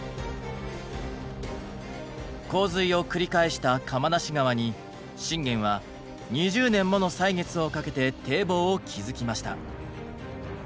洪水を繰り返した釜無川に信玄は２０年もの歳月をかけて堤防を築きました。